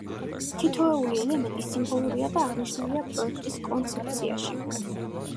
თითოეული ელემენტი სიმბოლურია და აღნიშნულია პროექტის კონცეფციაში.